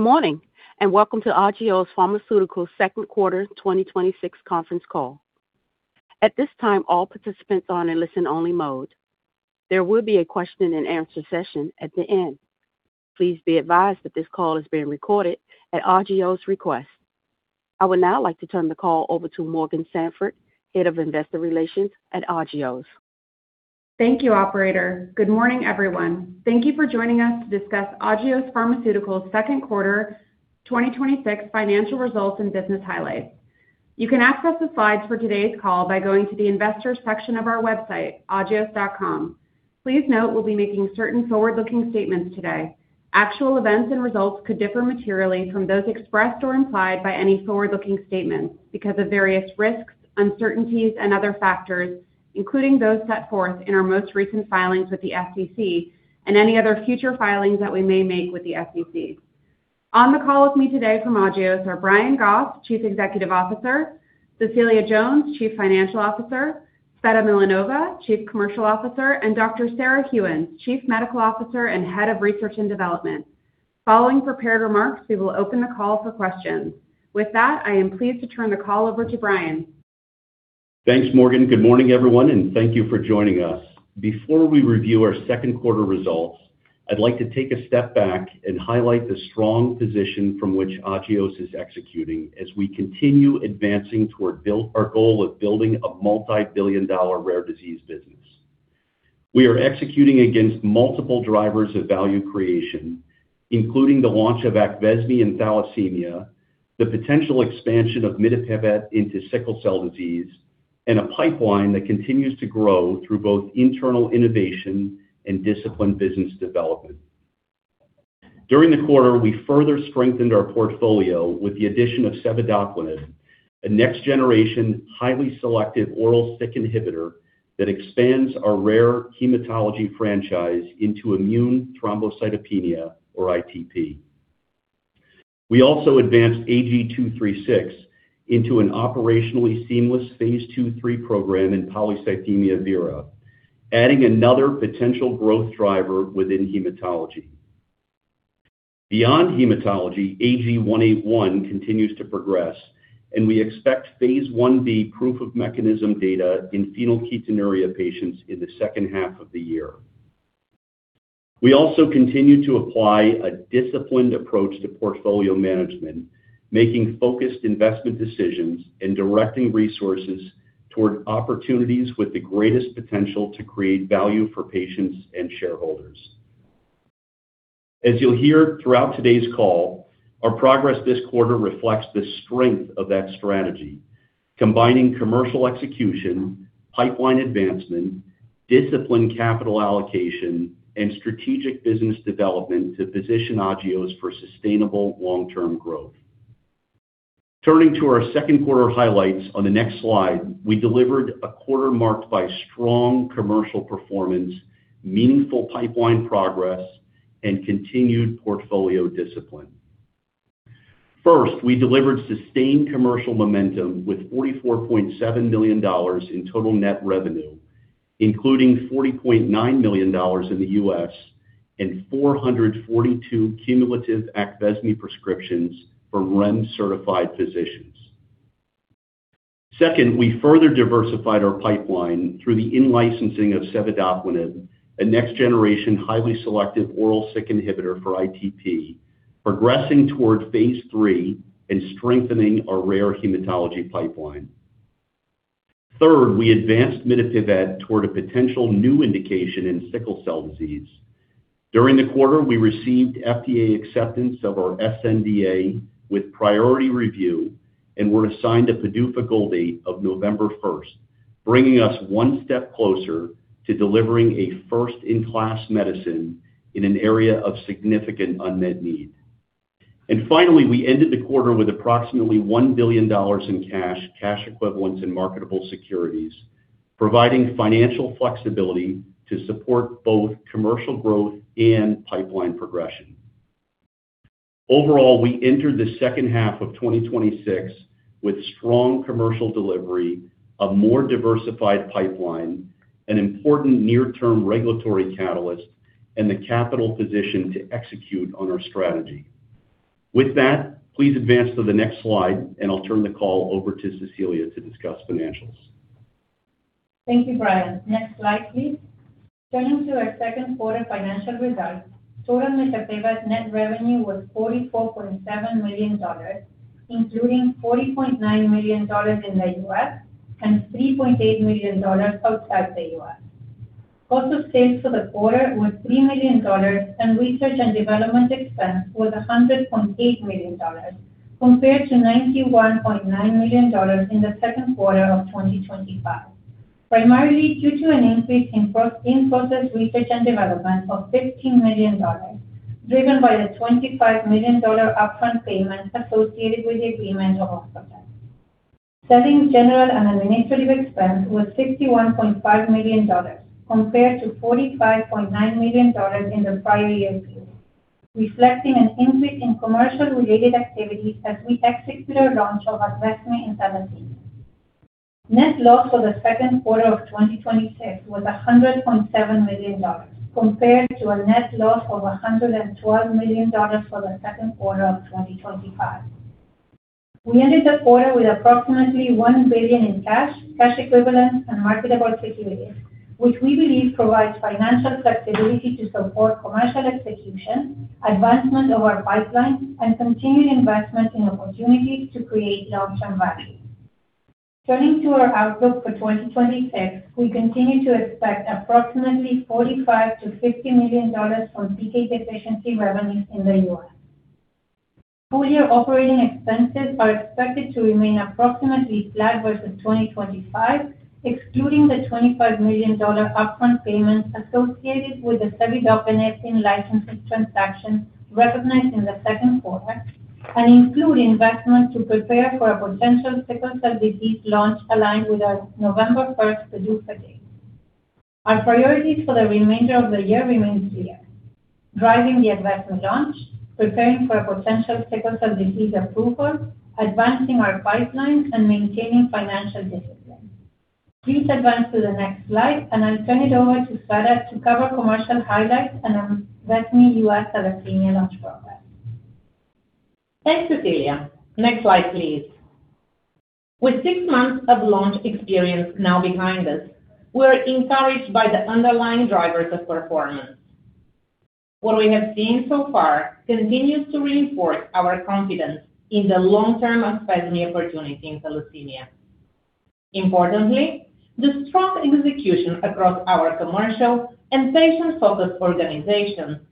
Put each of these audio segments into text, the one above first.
Morning, welcome to Agios Pharmaceuticals' second quarter 2026 conference call. At this time, all participants are in listen-only mode. There will be a question-and-answer session at the end. Please be advised that this call is being recorded at Agios' request. I would now like to turn the call over to Morgan Sanford, Head of Investor Relations at Agios. Thank you, operator. Good morning, everyone. Thank you for joining us to discuss Agios Pharmaceuticals' second quarter 2026 financial results and business highlights. You can access the slides for today's call by going to the investors section of our website, agios.com. Please note we'll be making certain forward-looking statements today. Actual events and results could differ materially from those expressed or implied by any forward-looking statements because of various risks, uncertainties, and other factors, including those set forth in our most recent filings with the SEC and any other future filings that we may make with the SEC. On the call with me today from Agios are Brian Goff, Chief Executive Officer; Cecilia Jones, Chief Financial Officer; Tsveta Milanova, Chief Commercial Officer; and Dr. Sarah Gheuens, Chief Medical Officer and Head of Research and Development. Following prepared remarks, we will open the call for questions. With that, I am pleased to turn the call over to Brian. Thanks, Morgan. Good morning, everyone, thank you for joining us. Before we review our second quarter results, I'd like to take a step back and highlight the strong position from which Agios is executing as we continue advancing toward our goal of building a multi-billion-dollar rare disease business. We are executing against multiple drivers of value creation, including the launch of AQVESME in thalassemia, the potential expansion of mitapivat into sickle cell disease, and a pipeline that continues to grow through both internal innovation and disciplined business development. During the quarter, we further strengthened our portfolio with the addition of cevidoplenib, a next-generation, highly selective oral Syk inhibitor that expands our rare hematology franchise into immune thrombocytopenia, or ITP. We also advanced AG-236 into an operationally seamless Phase II/III program in polycythemia vera, adding another potential growth driver within hematology. Beyond hematology, AG-181 continues to progress. We expect phase I-B proof of mechanism data in phenylketonuria patients in the second half of the year. We also continue to apply a disciplined approach to portfolio management, making focused investment decisions, and directing resources toward opportunities with the greatest potential to create value for patients and shareholders. As you'll hear throughout today's call, our progress this quarter reflects the strength of that strategy, combining commercial execution, pipeline advancement, disciplined capital allocation, and strategic business development to position Agios for sustainable long-term growth. Turning to our second quarter highlights on the next slide, we delivered a quarter marked by strong commercial performance, meaningful pipeline progress, and continued portfolio discipline. First, we delivered sustained commercial momentum with $44.7 million in total net revenue, including $40.9 million in the U.S. and 442 cumulative AQVESME prescriptions from REMS-certified physicians. Second, we further diversified our pipeline through the in-licensing of cevidoplenib, a next-generation, highly selective oral Syk inhibitor for ITP, progressing toward phase III and strengthening our rare hematology pipeline. Third, we advanced mitapivat toward a potential new indication in sickle cell disease. During the quarter, we received FDA acceptance of our sNDA with priority review and were assigned a PDUFA goal date of November 1st, bringing us one step closer to delivering a first-in-class medicine in an area of significant unmet need. Finally, we ended the quarter with approximately $1 billion in cash equivalents, and marketable securities, providing financial flexibility to support both commercial growth and pipeline progression. Overall, we entered the second half of 2026 with strong commercial delivery, a more diversified pipeline, an important near-term regulatory catalyst, and the capital position to execute on our strategy. With that, please advance to the next slide. I'll turn the call over to Cecilia to discuss financials. Thank you, Brian. Next slide, please. Turning to our second quarter financial results, total mitapivat net revenue was $44.7 million, including $40.9 million in the U.S. and $3.8 million outside the U.S. Cost of sales for the quarter was $3 million. Research and development expense was $100.8 million, compared to $91.9 million in the second quarter of 2025, primarily due to an increase in process research and development of $15 million, driven by the $25 million upfront payment associated with the agreement of Oscotec. Selling, general, and administrative expense was $61.5 million, compared to $45.9 million in the prior year's period, reflecting an increase in commercial-related activities as we executed a launch of AQVESME in February. Net loss for the second quarter of 2026 was $100.7 million, compared to a net loss of $112 million for the second quarter of 2025. We ended the quarter with approximately $1 billion in cash equivalents, and marketable securities, which we believe provides financial flexibility to support commercial execution, advancement of our pipeline, and continued investment in opportunities to create long-term value. Turning to our outlook for 2026, we continue to expect approximately $45 million-$50 million from PK deficiency revenues in the U.S. Full-year operating expenses are expected to remain approximately flat versus 2025, excluding the $25 million upfront payment associated with the cevidoplenib licensing transaction recognized in the second quarter and include investment to prepare for a potential sickle cell disease launch aligned with our November 1st PDUFA date. Our priorities for the remainder of the year remain clear: driving the AQVESME launch, preparing for a potential sickle cell disease approval, advancing our pipeline, and maintaining financial discipline. Please advance to the next slide, I'll turn it over to Tsveta to cover commercial highlights and AQVESME U.S. thalassemia launch progress. Thanks, Cecilia. Next slide, please. With six months of launch experience now behind us, we're encouraged by the underlying drivers of performance. What we have seen so far continues to reinforce our confidence in the long-term PYRUKYND opportunity in thalassemia. Importantly, the strong execution across our commercial and patient-focused organization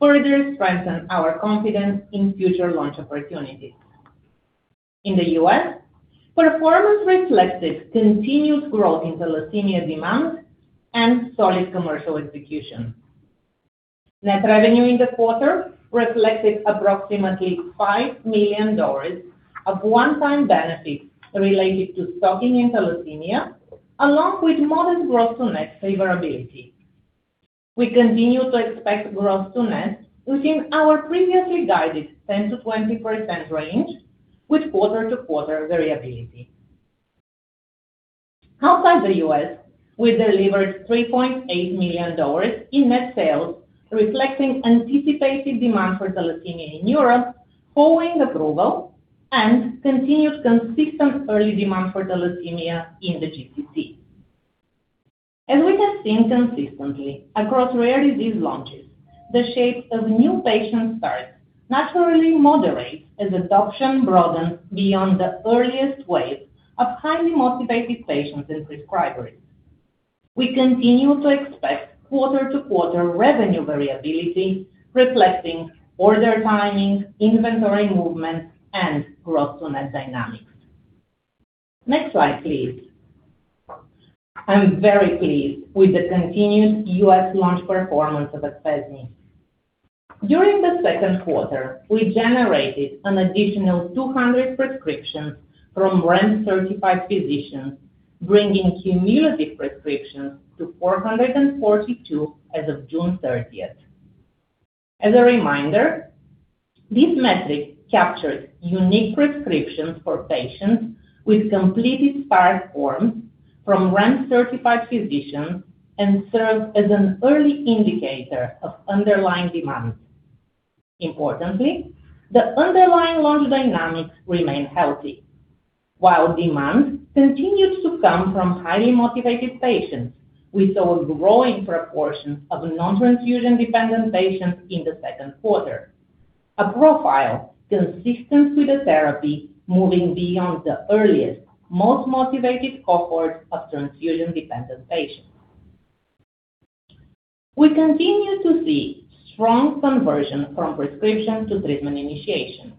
further strengthens our confidence in future launch opportunities. In the U.S., performance reflected continued growth in thalassemia demand and solid commercial execution. Net revenue in the quarter reflected approximately $5 million of one-time benefits related to stocking in thalassemia, along with modest gross-to-net favorability. We continue to expect gross to net within our previously guided 10%-20% range, with quarter-over-quarter variability. Outside the U.S., we delivered $3.8 million in net sales, reflecting anticipated demand for thalassemia in Europe following approval and continued consistent early demand for thalassemia in the GCC. As we have seen consistently across rare disease launches, the shape of new patient starts naturally moderates as adoption broadens beyond the earliest wave of highly motivated patients and prescribers. We continue to expect quarter-over-quarter revenue variability reflecting order timing, inventory movement, and gross-to-net dynamics. Next slide, please. I'm very pleased with the continued U.S. launch performance of PYRUKYND. During the second quarter, we generated an additional 200 prescriptions from REMS-certified physicians, bringing cumulative prescriptions to 442 as of June 30th. As a reminder, this metric captures unique prescriptions for patients with completed START forms from REMS-certified physicians and serves as an early indicator of underlying demand. Importantly, the underlying launch dynamics remain healthy. While demand continues to come from highly motivated patients. We saw a growing proportion of non-transfusion-dependent patients in the second quarter, a profile consistent with the therapy moving beyond the earliest, most motivated cohort of transfusion-dependent patients. We continue to see strong conversion from prescription to treatment initiation.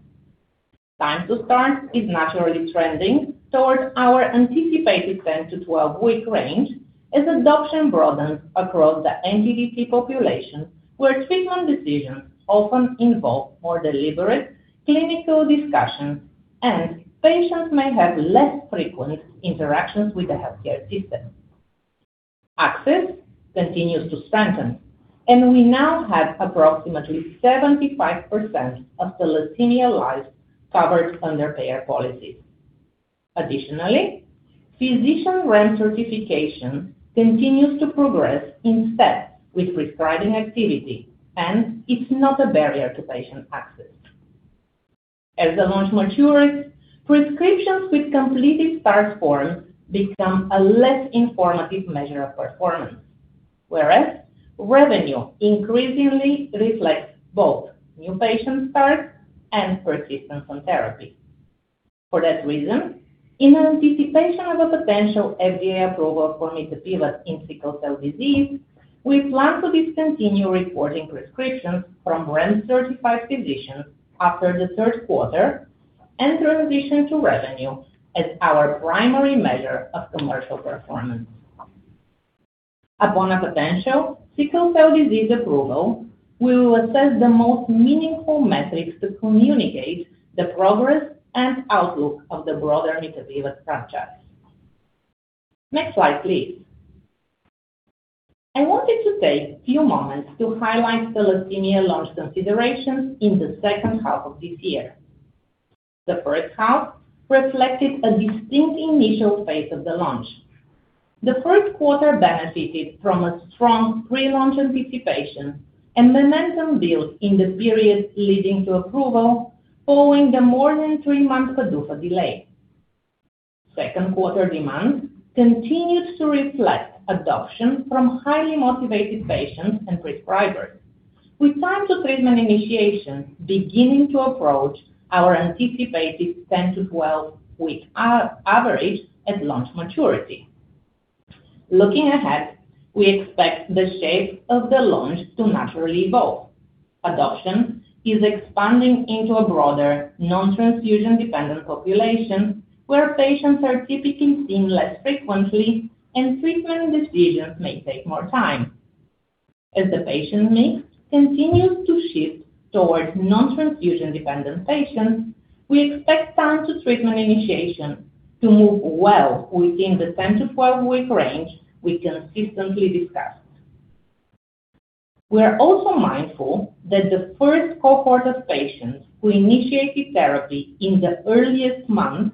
Time to START is naturally trending towards our anticipated 10-12 -week range as adoption broadens across the NTDT population, where treatment decisions often involve more deliberate clinical discussions and patients may have less frequent interactions with the healthcare system. Access continues to strengthen. We now have approximately 75% of thalassemia lives covered under payer policies. Additionally, physician REMS certification continues to progress in step with prescribing activity. It's not a barrier to patient access. As the launch matures, prescriptions with completed START forms become a less informative measure of performance. Whereas revenue increasingly reflects both new patient starts and persistence on therapy. For that reason, in anticipation of a potential FDA approval for mitapivat in sickle cell disease, we plan to discontinue reporting prescriptions from REMS-certified physicians after the third quarter and transition to revenue as our primary measure of commercial performance. Upon a potential sickle cell disease approval, we will assess the most meaningful metrics to communicate the progress and outlook of the broader mitapivat franchise. Next slide, please. I wanted to take a few moments to highlight thalassemia launch considerations in the second half of this year. The first half reflected a distinct initial phase of the launch. The first quarter benefited from a strong pre-launch anticipation and momentum built in the period leading to approval following the more than three-month PDUFA delay. Second quarter demand continues to reflect adoption from highly motivated patients and prescribers, with time to treatment initiation beginning to approach our anticipated 10-12-week average at launch maturity. Looking ahead, we expect the shape of the launch to naturally evolve. Adoption is expanding into a broader non-transfusion-dependent population, where patients are typically seen less frequently and treatment decisions may take more time. As the patient mix continues to shift towards non-transfusion-dependent patients, we expect time to treatment initiation to move well within the 10-12-week range we consistently discuss. We are also mindful that the first cohort of patients who initiated therapy in the earliest month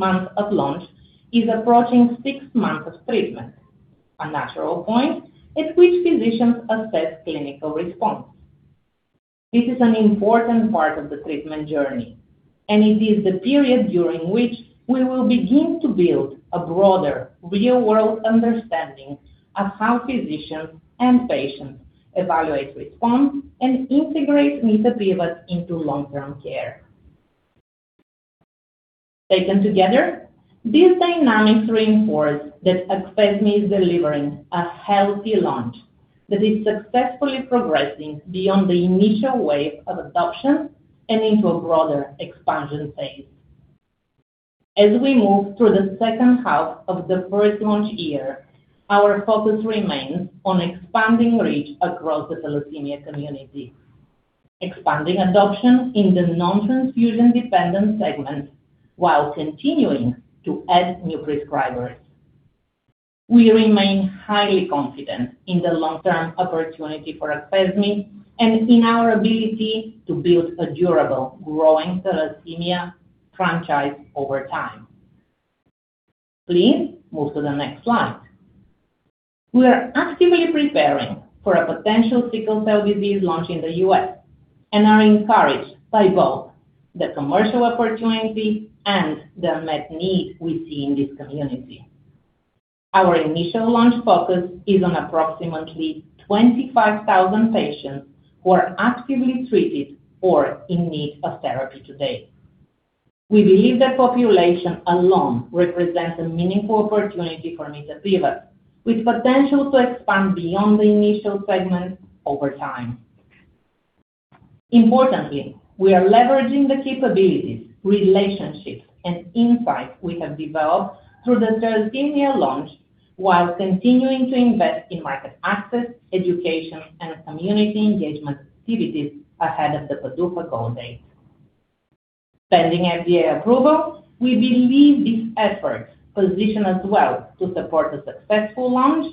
of launch is approaching six months of treatment, a natural point at which physicians assess clinical response. This is an important part of the treatment journey. It is the period during which we will begin to build a broader real-world understanding of how physicians and patients evaluate response and integrate mitapivat into long-term care. Taken together, these dynamics reinforce that AQVESME is delivering a healthy launch that is successfully progressing beyond the initial wave of adoption and into a broader expansion phase. As we move through the second half of the first launch year, our focus remains on expanding reach across the thalassemia community, expanding adoption in the non-transfusion-dependent segment while continuing to add new prescribers. We remain highly confident in the long-term opportunity for AQVESME and in our ability to build a durable, growing thalassemia franchise over time. Please move to the next slide. We are actively preparing for a potential sickle cell disease launch in the U.S. and are encouraged by both the commercial opportunity and the unmet need we see in this community. Our initial launch focus is on approximately 25,000 patients who are actively treated or in need of therapy today. We believe the population alone represents a meaningful opportunity for mitapivat, with potential to expand beyond the initial segment over time. Importantly, we are leveraging the capabilities, relationships, and insights we have developed through the thalassemia launch while continuing to invest in market access, education, and community engagement activities ahead of the PDUFA goal date. Pending FDA approval, we believe these efforts position us well to support a successful launch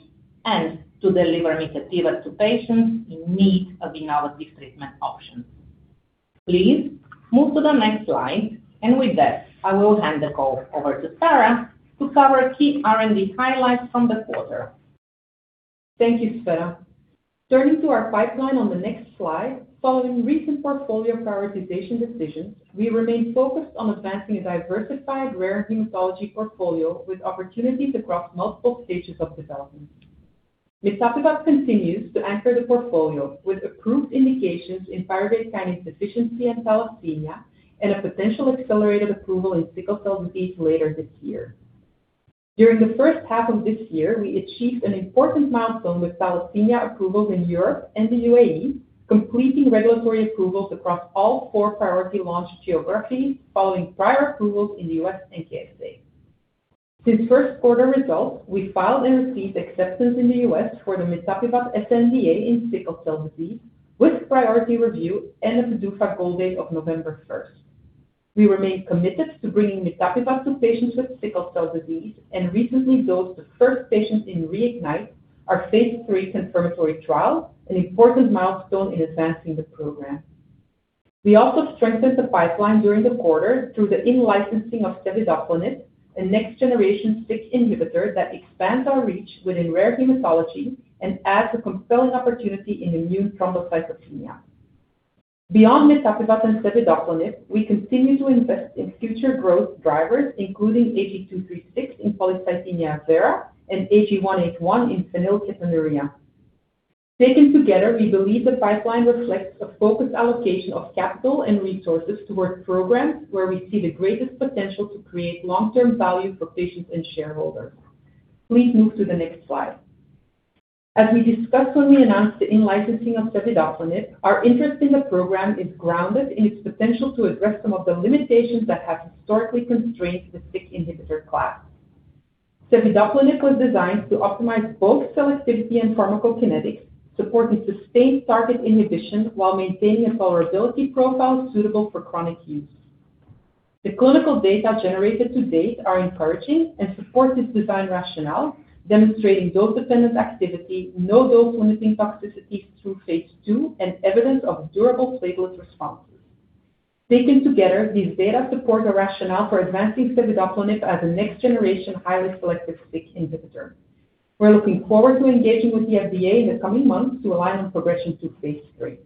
and to deliver mitapivat to patients in need of innovative treatment options. Please move to the next slide. With that, I will hand the call over to Sarah to cover key R&D highlights from the quarter. Thank you, Tsveta. Turning to our pipeline on the next slide. Following recent portfolio prioritization decisions, we remain focused on advancing a diversified rare hematology portfolio with opportunities across multiple stages of development. Mitapivat continues to anchor the portfolio with approved indications in pyruvate kinase deficiency and thalassemia, and a potential accelerated approval in sickle cell disease later this year. During the first half of this year, we achieved an important milestone with thalassemia approval in Europe and the UAE, completing regulatory approvals across all four priority launch geographies following prior approvals in the U.S. and KSA. Since first quarter results, we filed and received acceptance in the U.S. for the mitapivat sNDA in sickle cell disease, with priority review and a PDUFA goal date of November 1st. We remain committed to bringing mitapivat to patients with sickle cell disease and recently dosed the first patient in reignite, our phase III confirmatory trial, an important milestone in advancing the program. We also strengthened the pipeline during the quarter through the in-licensing of cevidoplenib, a next-generation Syk inhibitor that expands our reach within rare hematology and adds a compelling opportunity in immune thrombocytopenia. Beyond mitapivat and cevidoplenib, we continue to invest in future growth drivers, including AG-236 in polycythemia vera and AG-181 in phenylketonuria. Taken together, we believe the pipeline reflects a focused allocation of capital and resources towards programs where we see the greatest potential to create long-term value for patients and shareholders. Please move to the next slide. As we discussed when we announced the in-licensing of cevidoplenib, our interest in the program is grounded in its potential to address some of the limitations that have historically constrained the Syk inhibitor class. Cevidoplenib was designed to optimize both selectivity and pharmacokinetics, support a sustained target inhibition while maintaining a tolerability profile suitable for chronic use. The clinical data generated to date are encouraging and support this design rationale, demonstrating dose-dependent activity, no dose-limiting toxicity through phase II, and evidence of durable platelet responses. Taken together, these data support the rationale for advancing cevidoplenib as a next-generation highly selective Syk inhibitor. We're looking forward to engaging with the FDA in the coming months to align on progression to phase III.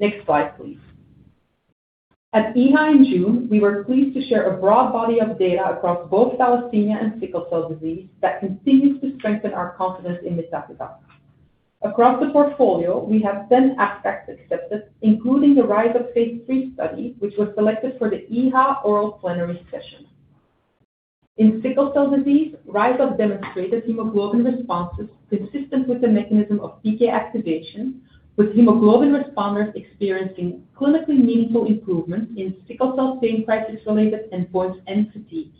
Next slide, please. At EHA in June, we were pleased to share a broad body of data across both thalassemia and sickle cell disease that continues to strengthen our confidence in mitapivat. Across the portfolio, we have 10 abstracts accepted, including the RISE UP phase III study, which was selected for the EHA oral plenary session. In sickle cell disease, RISE UP demonstrated hemoglobin responses consistent with the mechanism of PK activation, with hemoglobin responders experiencing clinically meaningful improvement in sickle cell pain crisis-related endpoints and fatigue.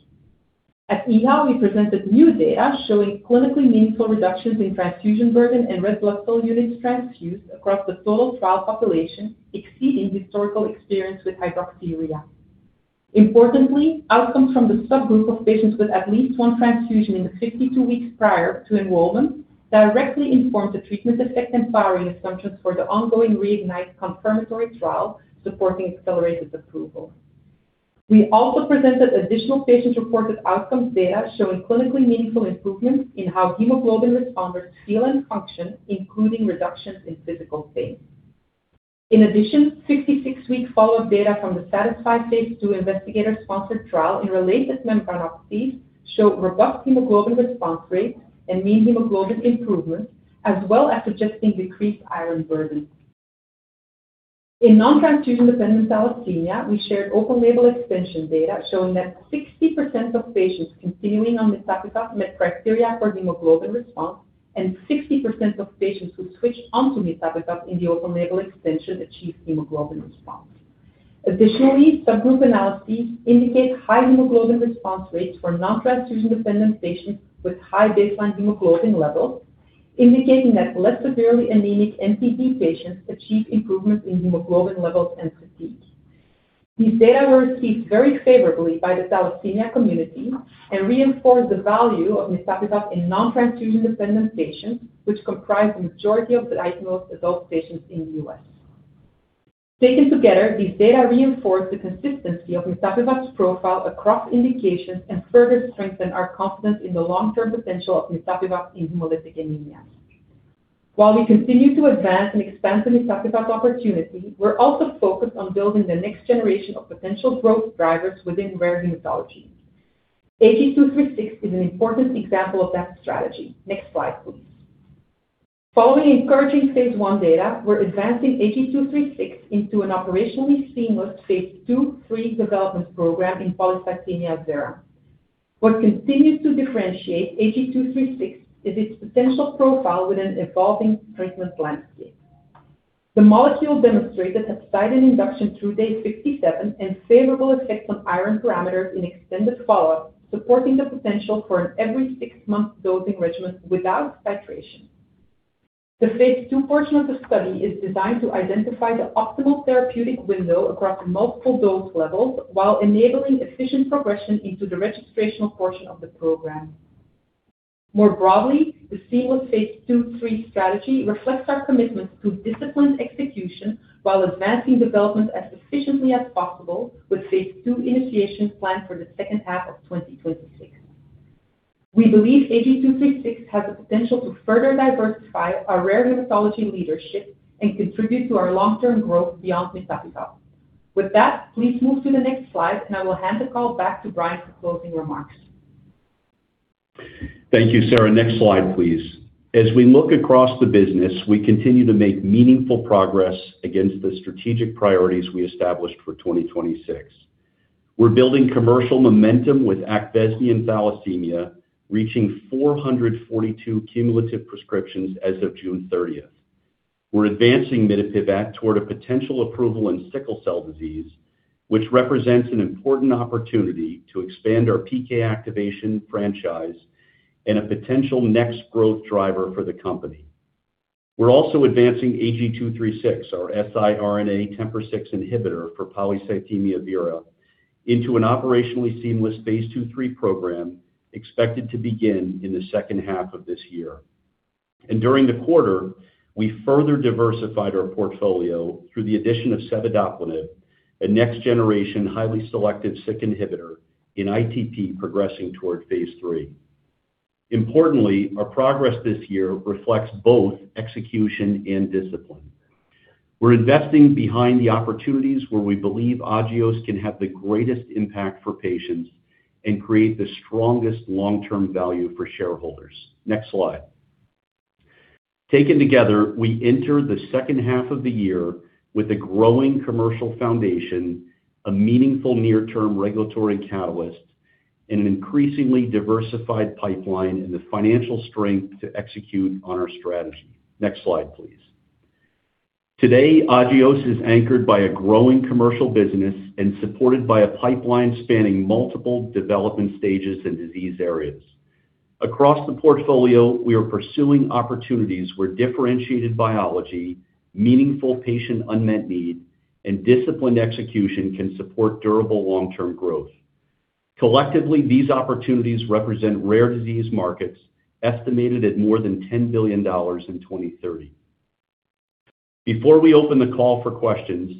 At EHA, we presented new data showing clinically meaningful reductions in transfusion burden and red blood cell units transfused across the total trial population, exceeding historical experience with hydroxyurea. Importantly, outcomes from the subgroup of patients with at least one transfusion in the 52 weeks prior to enrollment directly informed the treatment effect and powering assumptions for the ongoing REIGNITE confirmatory trial, supporting accelerated approval. We also presented additional patient-reported outcomes data showing clinically meaningful improvements in how hemoglobin responders feel and function, including reductions in physical pain. In addition, 56-week follow-up data from the SATISFY phase II investigator-sponsored trial in related hemoglobinopathies show robust hemoglobin response rates and mean hemoglobin improvement, as well as suggesting decreased iron burden. In non-transfusion-dependent thalassemia, we shared open-label extension data showing that 60% of patients continuing on mitapivat met criteria for hemoglobin response, and 60% of patients who switched onto mitapivat in the open-label extension achieved hemoglobin response. Additionally, subgroup analyses indicate high hemoglobin response rates for non-transfusion-dependent patients with high baseline hemoglobin levels, indicating that less severely anemic NTDT patients achieve improvements in hemoglobin levels and fatigue. These data were received very favorably by the thalassemia community and reinforce the value of mitapivat in non-transfusion-dependent patients, which comprise the majority of the eligible adult patients in the U.S. Taken together, these data reinforce the consistency of mitapivat's profile across indications and further strengthen our confidence in the long-term potential of mitapivat in hemolytic anemia. While we continue to advance and expand the mitapivat opportunity, we're also focused on building the next generation of potential growth drivers within rare hematology. AG-236 is an important example of that strategy. Next slide, please. Following encouraging phase I data, we're advancing AG-236 into an operationally seamless phase II/III development program in polycythemia vera. What continues to differentiate AG-236 is its potential profile within an evolving treatment landscape. The molecule demonstrated hepcidin induction through day 57 and favorable effects on iron parameters in extended follow-up, supporting the potential for an every six-month dosing regimen without saturation. The phase II portion of the study is designed to identify the optimal therapeutic window across multiple dose levels while enabling efficient progression into the registrational portion of the program. More broadly, the seamless phase II/III strategy reflects our commitment to disciplined execution while advancing development as efficiently as possible, with phase II initiation planned for the second half of 2026. We believe AG-236 has the potential to further diversify our rare hematology leadership and contribute to our long-term growth beyond mitapivat. With that, please move to the next slide, I will hand the call back to Brian for closing remarks. Thank you, Sarah. Next slide, please. As we look across the business, we continue to make meaningful progress against the strategic priorities we established for 2026. We're building commercial momentum with AQVESME and thalassemia, reaching 442 cumulative prescriptions as of June 30th. We're advancing mitapivat toward a potential approval in sickle cell disease, which represents an important opportunity to expand our PK activation franchise and a potential next growth driver for the company. We're also advancing AG-236, our siRNA TMPRSS6 inhibitor for polycythemia vera, into an operationally seamless phase II/III program expected to begin in the second half of this year. During the quarter, we further diversified our portfolio through the addition of cevidoplenib, a next-generation, highly selective Syk inhibitor in ITP progressing toward phase III. Importantly, our progress this year reflects both execution and discipline. We're investing behind the opportunities where we believe Agios can have the greatest impact for patients and create the strongest long-term value for shareholders. Next slide. Taken together, we enter the second half of the year with a growing commercial foundation, a meaningful near-term regulatory catalyst, and an increasingly diversified pipeline and the financial strength to execute on our strategy. Next slide, please. Today, Agios is anchored by a growing commercial business and supported by a pipeline spanning multiple development stages and disease areas. Across the portfolio, we are pursuing opportunities where differentiated biology, meaningful patient unmet need, and disciplined execution can support durable long-term growth. Collectively, these opportunities represent rare disease markets estimated at more than $10 billion in 2030. Before we open the call for questions,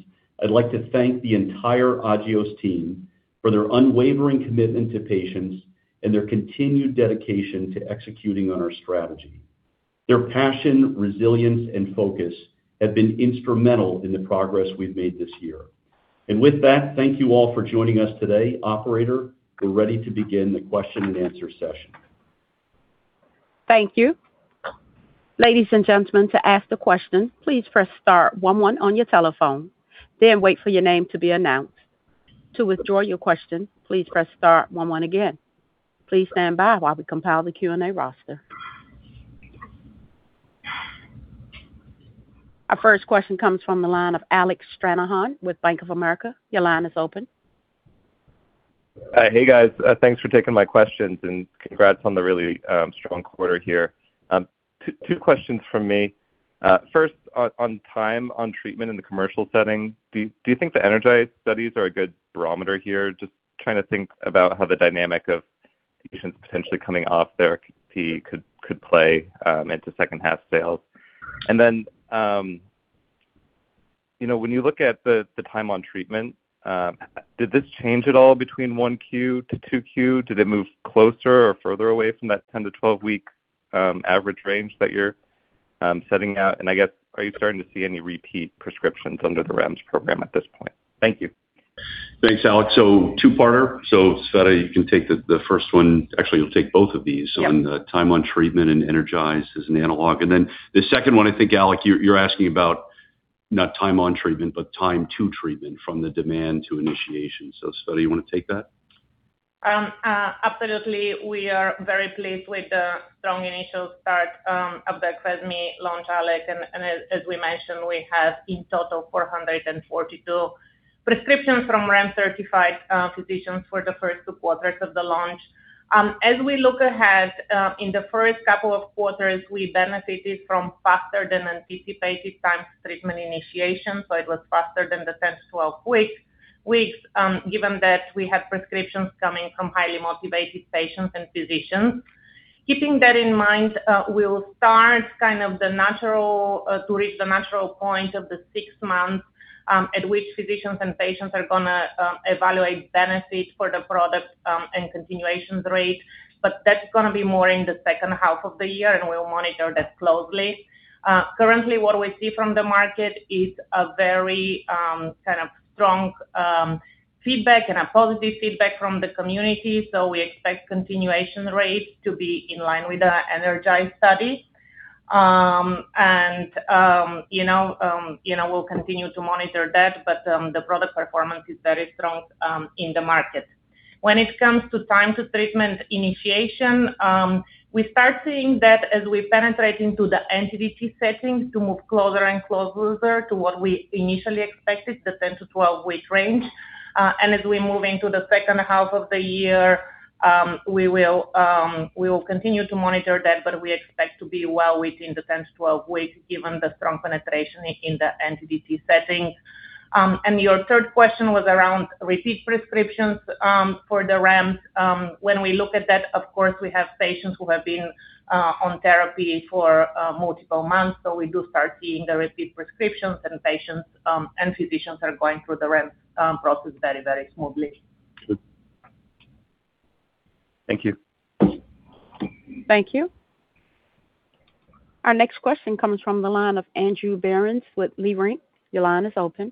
I'd like to thank the entire Agios team for their unwavering commitment to patients and their continued dedication to executing on our strategy. Their passion, resilience, and focus have been instrumental in the progress we've made this year. With that, thank you all for joining us today. Operator, we're ready to begin the question and answer session. Thank you. Ladies and gentlemen, to ask the question, please press star one one on your telephone, then wait for your name to be announced. To withdraw your question, please press star one one again. Please stand by while we compile the Q&A roster. Our first question comes from the line of Alec Stranahan with Bank of America. Your line is open. Hi. Hey, guys. Thanks for taking my questions. Congrats on the really strong quarter here. Two questions from me. First, on time on treatment in the commercial setting, do you think the ENERGIZE studies are a good barometer here? Just trying to think about how the dynamic of patients potentially coming off their could play into second half sales. When you look at the time on treatment, did this change at all between 1Q to 2Q? Did it move closer or further away from that 10-12 week average range that you're setting out? I guess, are you starting to see any repeat prescriptions under the REMS program at this point? Thank you. Thanks, Alec. Two-parter. Tsveta, you can take the first one. Actually, you'll take both of these. Yeah. On the time on treatment and ENERGIZE as an analog. The second one, I think, Alec, you're asking about not time on treatment, but time to treatment, from the demand to initiation. Tsveta, you want to take that? Absolutely. We are very pleased with the strong initial start of the AQVESME launch, Alec. As we mentioned, we have in total 442 prescriptions from REMS-certified physicians for the first two quarters of the launch. As we look ahead, in the first couple of quarters, we benefited from faster than anticipated time to treatment initiation. It was faster than the 10-12 weeks, given that we have prescriptions coming from highly motivated patients and physicians. Keeping that in mind, we'll start to reach the natural point of the six months, at which physicians and patients are going to evaluate benefit for the product and continuation rates. That's going to be more in the second half of the year, and we'll monitor that closely. Currently, what we see from the market is a very strong feedback and a positive feedback from the community. We expect continuation rates to be in line with the ENERGIZE study. We'll continue to monitor that, but the product performance is very strong in the market. When it comes to time to treatment initiation, we start seeing that as we penetrate into the entity settings to move closer and closer to what we initially expected, the 10-12-week range. As we move into the second half of the year, we will continue to monitor that, but we expect to be well within the 10-12 weeks given the strong penetration in the entity settings. Your third question was around repeat prescriptions for the REMS. When we look at that, of course, we have patients who have been on therapy for multiple months. We do start seeing the repeat prescriptions and patients and physicians are going through the REMS process very, very smoothly. Good. Thank you. Thank you. Our next question comes from the line of Andrew Berens with Leerink. Your line is open.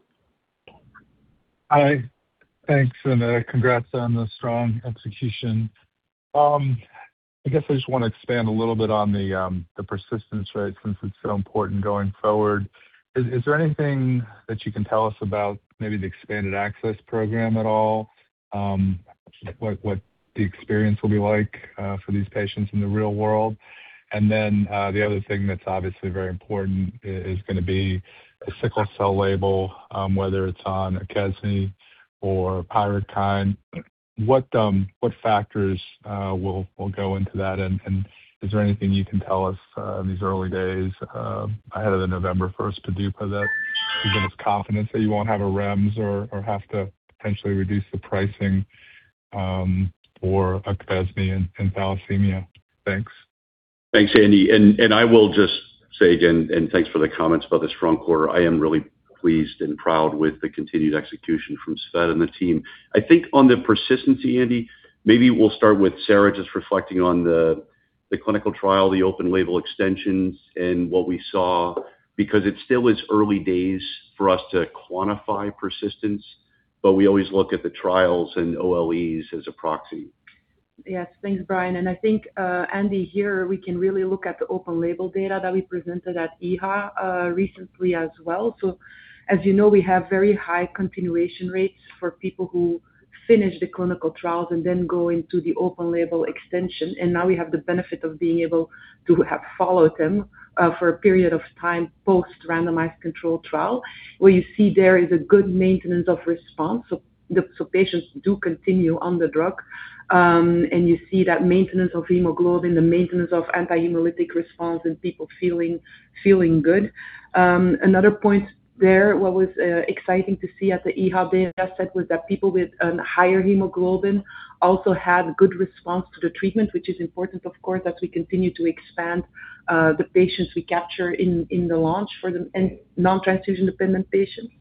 Hi. Thanks, and congrats on the strong execution. I guess I just want to expand a little bit on the persistence rate since it's so important going forward. Is there anything that you can tell us about maybe the expanded access program at all? What the experience will be like for these patients in the real world? The other thing that's obviously very important is going to be the sickle cell label, whether it's on AQVESME or PYRUKYND. What factors will go into that? Is there anything you can tell us in these early days ahead of the November 1st PDUFA that should give us confidence that you won't have a REMS or have to potentially reduce the pricing for AQVESME in thalassemia? Thanks. Thanks, Andy. I will just say again, and thanks for the comments about the strong quarter. I am really pleased and proud with the continued execution from Tsveta and the team. I think on the persistency, Andy, maybe we'll start with Sarah just reflecting on the clinical trial, the open label extensions, and what we saw, because it still is early days for us to quantify persistence, but we always look at the trials and OLEs as a proxy. Yes. Thanks, Brian. I think, Andy, here we can really look at the open label data that we presented at EHA recently as well. As you know, we have very high continuation rates for people who finish the clinical trials and then go into the open-label extension. Now we have the benefit of being able to have followed them for a period of time post randomized control trial, where you see there is a good maintenance of response. Patients do continue on the drug. You see that maintenance of hemoglobin, the maintenance of anti-hemolytic response and people feeling good. Another point there, what was exciting to see at the EHA dataset was that people with a higher hemoglobin also had good response to the treatment, which is important, of course, as we continue to expand the patients we capture in the launch for the non-transfusion dependent patients.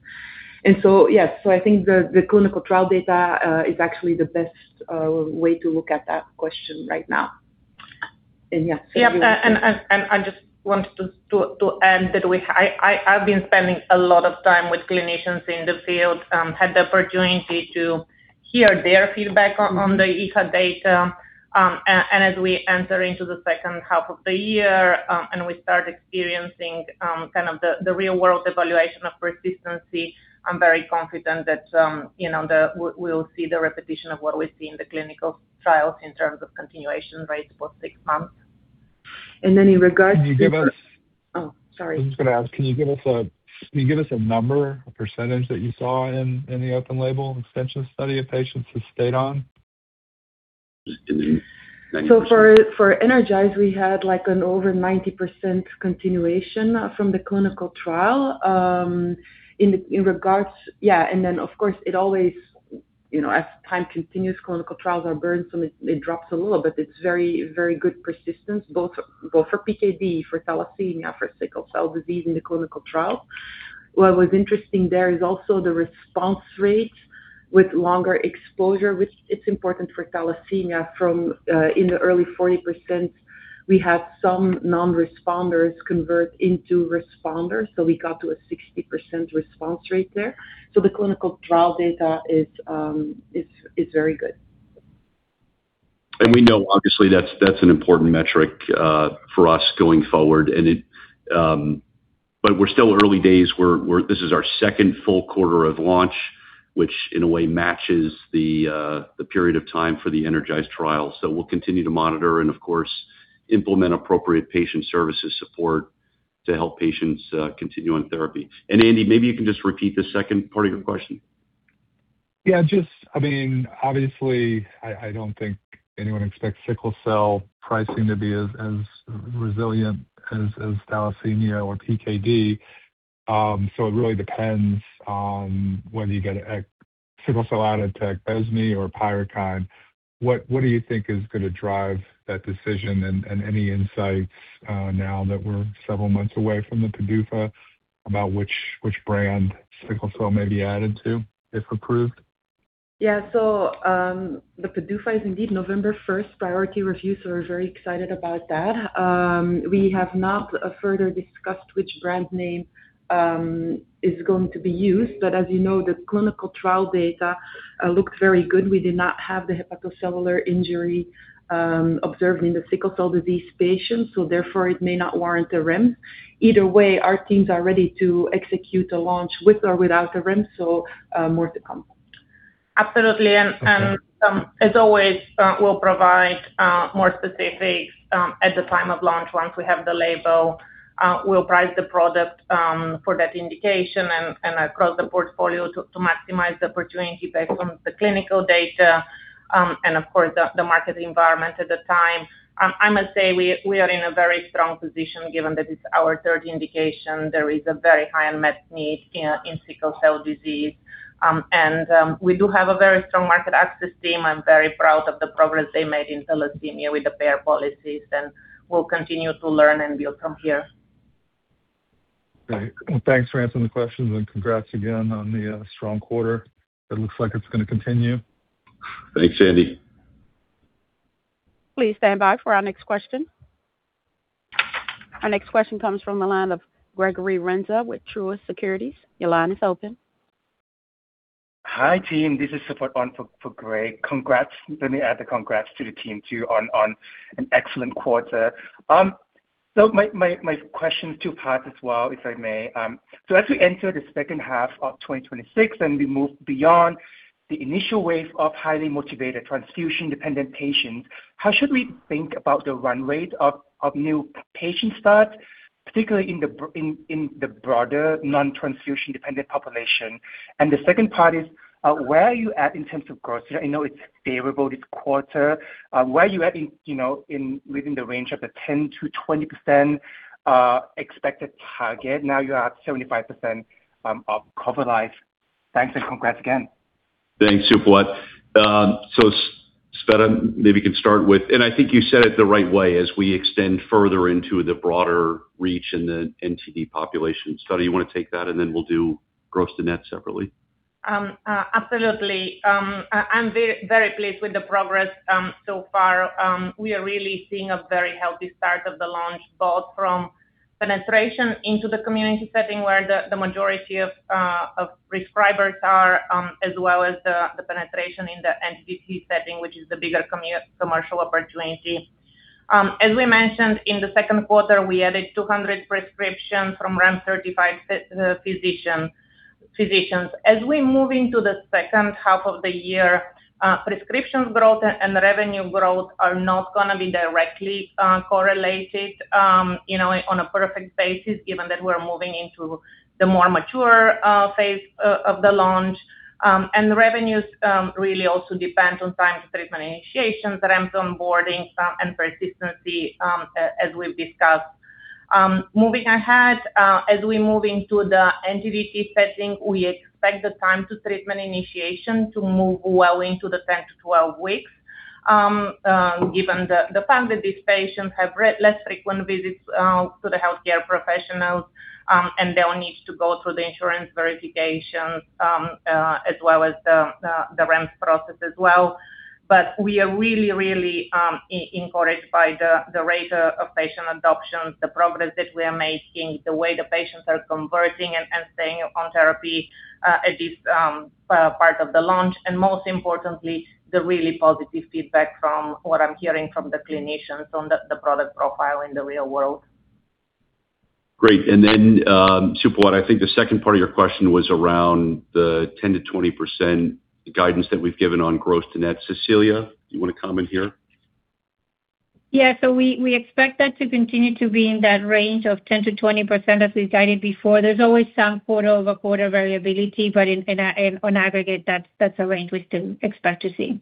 Yes, I think the clinical trial data is actually the best way to look at that question right now. Yeah. Yeah. I just wanted to end that I've been spending a lot of time with clinicians in the field, had the opportunity to hear their feedback on the EHA data. As we enter into the second half of the year, and we start experiencing the real world evaluation of persistency, I'm very confident that we'll see the repetition of what we see in the clinical trials in terms of continuation rates for six months. Then in regards to- Can you give us- Oh, sorry. I'm just going to ask, can you give us a number, a percentage that you saw in the open label extension study of patients who stayed on? For ENERGIZE, we had an over 90% continuation from the clinical trial. Yeah, then, of course, as time continues, clinical trials are burdensome, it drops a little, but it's very good persistence, both for PKD, for thalassemia, for sickle cell disease in the clinical trials. What was interesting there is also the response rate with longer exposure, which it's important for thalassemia from in the early 40%, we had some non-responders convert into responders. We got to a 60% response rate there. The clinical trial data is very good. We know obviously that's an important metric for us going forward. We're still early days. This is our second full quarter of launch, which in a way matches the period of time for the ENERGIZE trial. We'll continue to monitor and of course, implement appropriate patient services support to help patients continue on therapy. Andy, maybe you can just repeat the second part of your question. Yeah. Obviously, I don't think anyone expects sickle cell pricing to be as resilient as thalassemia or PKD. It really depends on whether you get a sickle cell added to Exjade or PYRUKYND. What do you think is going to drive that decision and any insights, now that we're several months away from the PDUFA, about which brand sickle cell may be added to if approved? Yeah. The PDUFA is indeed November 1st priority review. We're very excited about that. We have not further discussed which brand name is going to be used, but as you know, the clinical trial data looked very good. We did not have the hepatocellular injury observed in the sickle cell disease patients. Therefore it may not warrant a REMS. Either way, our teams are ready to execute a launch with or without a REMS. More to come. Absolutely. Okay. As always, we'll provide more specifics at the time of launch once we have the label. We'll price the product for that indication and across the portfolio to maximize the opportunity based on the clinical data, of course, the market environment at the time. I must say, we are in a very strong position given that it's our third indication. There is a very high unmet need in sickle cell disease. We do have a very strong market access team. I'm very proud of the progress they made in thalassemia with the payer policies. We'll continue to learn and build from here. Great. Thanks for answering the questions. Congrats again on the strong quarter. It looks like it's going to continue. Thanks, Andy. Please stand by for our next question. Our next question comes from the line of Gregory Renza with Truist Securities. Your line is open. Hi, team. This is Supath on for Greg. Congrats. Let me add the congrats to the team too on an excellent quarter. My question is two parts as well, if I may. As we enter the second half of 2026, and we move beyond the initial wave of highly motivated transfusion-dependent patients, how should we think about the run rate of new patient starts, particularly in the broader non-transfusion dependent population? The second part is, where are you at in terms of gross? I know it's favorable this quarter. Where are you at within the range of the 10%-20% expected target? Now you're at 75% of cover life. Thanks and congrats again. Thanks, Supath. Tsveta, maybe you can start with, and I think you said it the right way as we extend further into the broader reach in the NTD population. Tsveta, you want to take that and then we'll do gross to net separately? Absolutely. I'm very pleased with the progress so far. We are really seeing a very healthy start of the launch, both from penetration into the community setting where the majority of prescribers are, as well as the penetration in the NTD setting, which is the bigger commercial opportunity. As we mentioned in the second quarter, we added 200 prescriptions from REMS-certified physicians. As we move into the second half of the year, prescriptions growth and revenue growth are not going to be directly correlated on a perfect basis, given that we're moving into the more mature phase of the launch. The revenues really also depend on time to treatment initiations, REMS onboarding, and persistency as we've discussed. Moving ahead, as we move into the NTDT setting, we expect the time to treatment initiation to move well into the 10-12 weeks, given the fact that these patients have less frequent visits to the healthcare professionals, and they'll need to go through the insurance verification as well as the REMS process as well. We are really, really encouraged by the rate of patient adoption, the progress that we are making, the way the patients are converting and staying on therapy at this part of the launch, and most importantly, the really positive feedback from what I'm hearing from the clinicians on the product profile in the real world. Great. Supath, I think the second part of your question was around the 10%-20% guidance that we've given on gross to net. Cecilia, you want to comment here? We expect that to continue to be in that range of 10%-20% as we've guided before. There's always some quarter-over-quarter variability, but on aggregate, that's a range we still expect to see.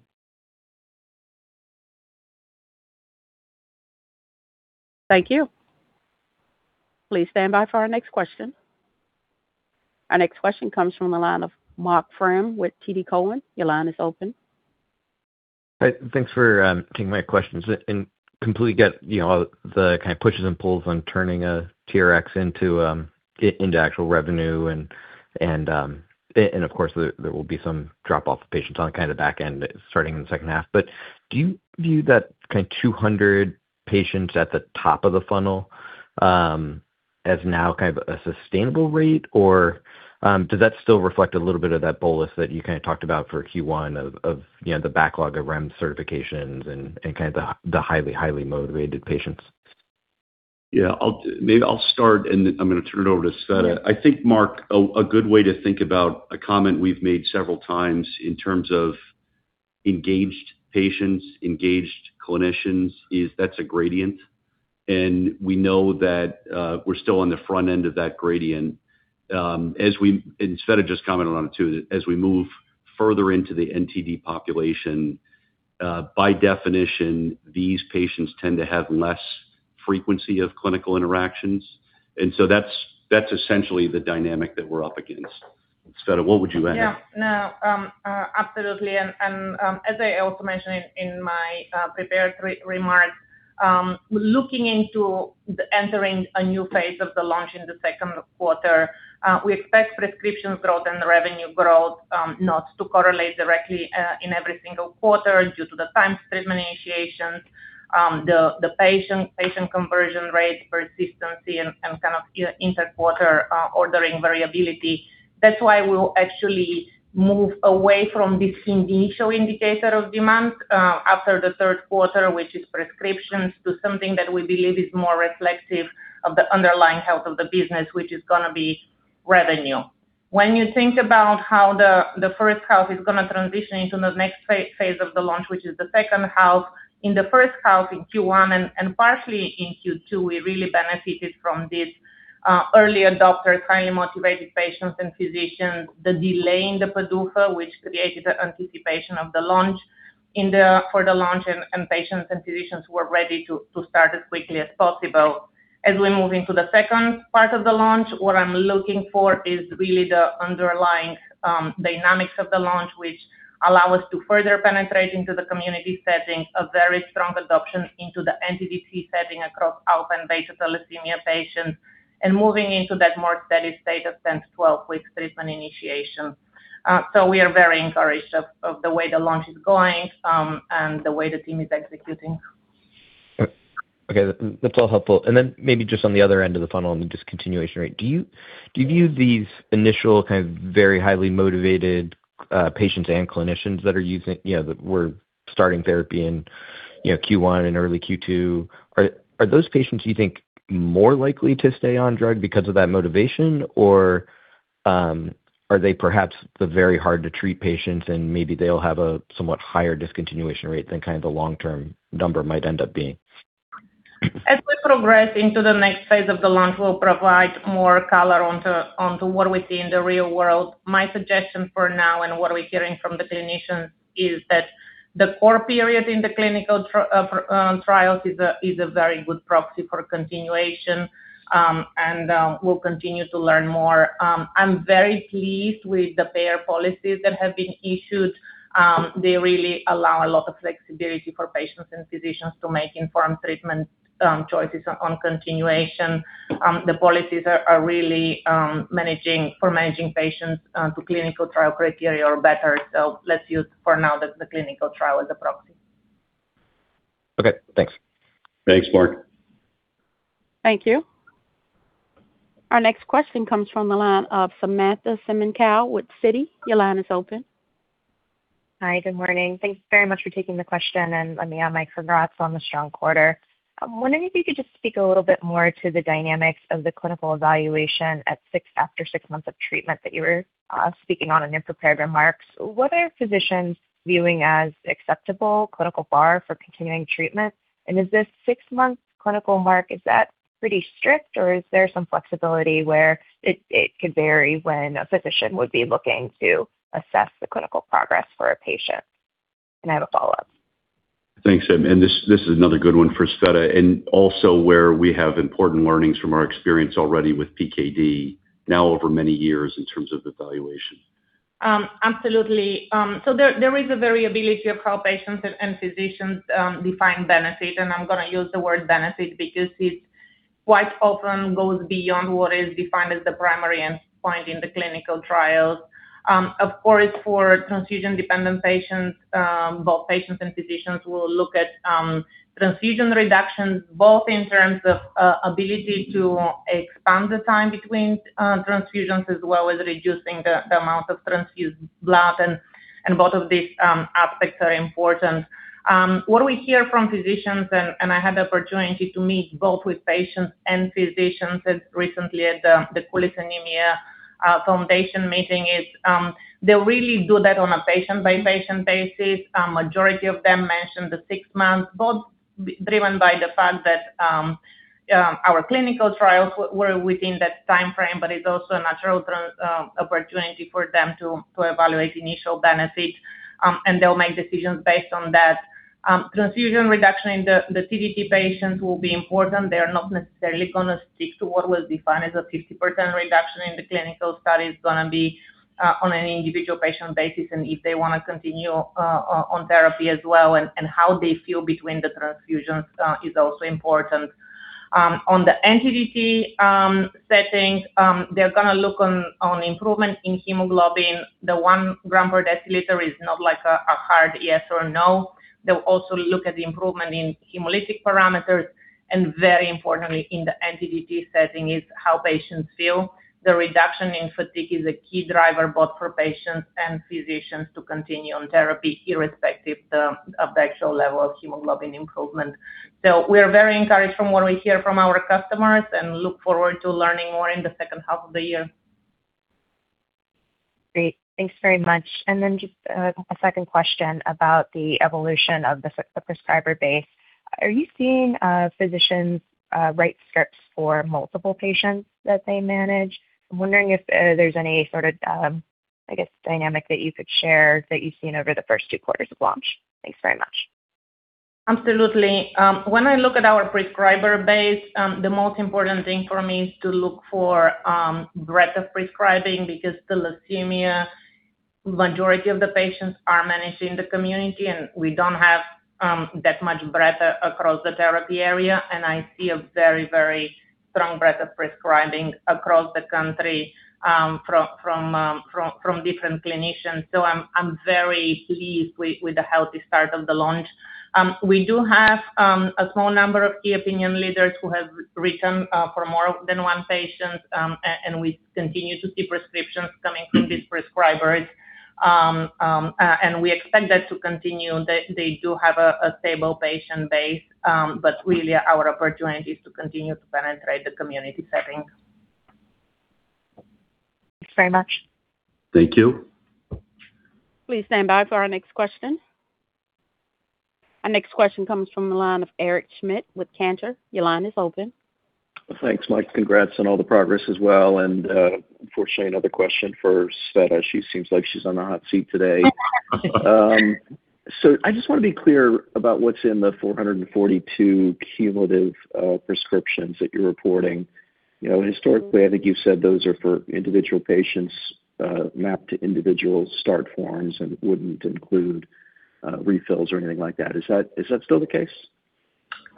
Thank you. Please stand by for our next question. Our next question comes from the line of Marc Frahm with TD Cowen. Your line is open. Hi. Thanks for taking my questions. Completely get the pushes and pulls on turning a TRx into actual revenue, of course, there will be some drop-off of patients on the back end starting in the second half. Do you view that 200 patients at the top of the funnel as now a sustainable rate, or does that still reflect a little bit of that bolus that you talked about for Q1 of the backlog of REMS certifications and the highly motivated patients? Yeah. Maybe I'll start, I'm going to turn it over to Tsveta. I think, Marc, a good way to think about a comment we've made several times in terms of engaged patients, engaged clinicians, is that's a gradient. We know that we're still on the front end of that gradient. Tsveta just commented on it too. As we move further into the NTD population, by definition, these patients tend to have less frequency of clinical interactions. That's essentially the dynamic that we're up against. Tsveta, what would you add? Yeah. No. Absolutely. As I also mentioned in my prepared remarks, looking into entering a new phase of the launch in the second quarter, we expect prescriptions growth and revenue growth not to correlate directly in every single quarter due to the time to treatment initiations, the patient conversion rate persistency, and inter-quarter ordering variability. That's why we'll actually move away from this initial indicator of demand after the third quarter, which is prescriptions, to something that we believe is more reflective of the underlying health of the business, which is going to be revenue. When you think about how the first half is going to transition into the next phase of the launch, which is the second half. In the first half, in Q1 and partially in Q2, we really benefited from these early adopter, highly motivated patients and physicians, the delay in the PDUFA, which created the anticipation for the launch, and patients and physicians who are ready to start as quickly as possible. As we move into the second part of the launch, what I'm looking for is really the underlying dynamics of the launch, which allow us to further penetrate into the community setting, a very strong adoption into the NTDT setting across alpha and beta thalassemia patients, and moving into that more steady state of 10-12 weeks treatment initiation. We are very encouraged of the way the launch is going and the way the team is executing. Okay. That's all helpful. Maybe just on the other end of the funnel on the discontinuation rate, do you view these initial very highly motivated patients and clinicians that were starting therapy in Q1 and early Q2, are those patients, you think, more likely to stay on drug because of that motivation? Or are they perhaps the very hard-to-treat patients, and maybe they'll have a somewhat higher discontinuation rate than the long-term number might end up being? As we progress into the next phase of the launch, we'll provide more color on what we see in the real world. My suggestion for now and what we're hearing from the clinicians is that the core period in the clinical trials is a very good proxy for continuation, and we'll continue to learn more. I'm very pleased with the payer policies that have been issued. They really allow a lot of flexibility for patients and physicians to make informed treatment choices on continuation. The policies are really for managing patients to clinical trial criteria or better. Let's use for now the clinical trial as a proxy. Okay. Thanks. Thanks, Marc. Thank you. Our next question comes from the line of Samantha Semenkow with Citi. Your line is open. Hi, good morning. Thanks very much for taking the question, let me add my congrats on the strong quarter. I'm wondering if you could just speak a little bit more to the dynamics of the clinical evaluation after six months of treatment that you were speaking on in your prepared remarks. What are physicians viewing as acceptable clinical bar for continuing treatment? Is this six months clinical mark, is that pretty strict, or is there some flexibility where it could vary when a physician would be looking to assess the clinical progress for a patient? I have a follow-up. Thanks, Sam. This is another good one for Tsveta, also where we have important learnings from our experience already with PKD, now over many years in terms of evaluation. Absolutely. There is a variability of how patients and physicians define benefit, and I'm going to use the word benefit because it quite often goes beyond what is defined as the primary endpoint in the clinical trials. Of course, for transfusion-dependent patients, both patients and physicians will look at transfusion reductions both in terms of ability to expand the time between transfusions, as well as reducing the amount of transfused blood, and both of these aspects are important. What we hear from physicians, and I had the opportunity to meet both with patients and physicians just recently at the Polycythemia Foundation meeting, is they really do that on a patient-by-patient basis. Majority of them mentioned the six months, both driven by the fact that our clinical trials were within that timeframe, but it's also a natural opportunity for them to evaluate initial benefits. They'll make decisions based on that. Transfusion reduction in the TDT patients will be important. They're not necessarily going to stick to what was defined as a 50% reduction in the clinical study. It's going to be on an individual patient basis and if they want to continue on therapy as well, and how they feel between the transfusions is also important. On the NTDT settings, they're going to look on improvement in hemoglobin. The one gram per deciliter is not like a hard yes or no. They'll also look at the improvement in hemolytic parameters, and very importantly in the NTDT setting is how patients feel. The reduction in fatigue is a key driver both for patients and physicians to continue on therapy irrespective of the actual level of hemoglobin improvement. We are very encouraged from what we hear from our customers and look forward to learning more in the second half of the year. Great. Thanks very much. Then just a second question about the evolution of the prescriber base. Are you seeing physicians write scripts for multiple patients that they manage? I'm wondering if there's any sort of dynamic that you could share that you've seen over the first two quarters of launch. Thanks very much. Absolutely. When I look at our prescriber base, the most important thing for me is to look for breadth of prescribing because the leukemia, majority of the patients are managed in the community, and we don't have that much breadth across the therapy area. I see a very strong breadth of prescribing across the country from different clinicians. I'm very pleased with the healthy start of the launch. We do have a small number of key opinion leaders who have written for more than one patient, and we continue to see prescriptions coming from these prescribers. We expect that to continue. They do have a stable patient base. Really our opportunity is to continue to penetrate the community setting. Thanks very much. Thank you. Please stand by for our next question. Our next question comes from the line of Eric Schmidt with Cantor. Your line is open. Thanks, Mike. Congrats on all the progress as well, and unfortunately another question for Tsveta. She seems like she's on the hot seat today. I just want to be clear about what's in the 442 cumulative prescriptions that you're reporting. Historically, I think you've said those are for individual patients mapped to individual start forms and wouldn't include refills or anything like that. Is that still the case?